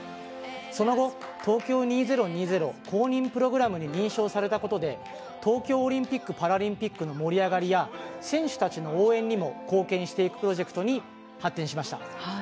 その後東京２０２０公認プログラムに認証されたことで東京オリンピック・パラリンピックの盛り上がりや選手たちの応援にも貢献していくプロジェクトに発展しました。